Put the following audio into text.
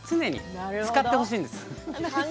常に使ってほしいです。